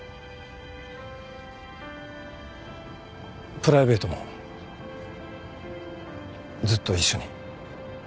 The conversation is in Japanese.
プライベートもずっと一緒に。